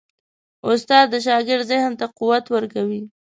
استاد د شاګرد ذهن ته قوت ورکوي.